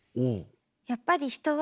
やっぱり人は。